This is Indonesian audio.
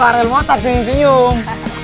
farel motak sih yang senyum